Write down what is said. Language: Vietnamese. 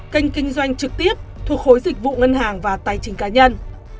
kênh kinh doanh trực tiếp thuộc khối dịch vụ ngân hàng và tài chính cá nhân